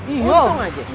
iya untung aja